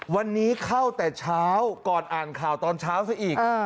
วันนี้เข้าแต่เช้าก่อนอ่านข่าวตอนเช้าซะอีก